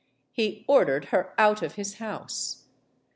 He or dered her out of his house.